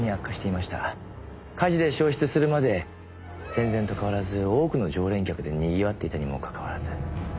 火事で消失するまで戦前と変わらず多くの常連客でにぎわっていたにもかかわらず。